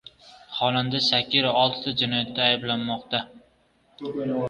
Xonanda Shakira oltita jinoyatda ayblanmoqda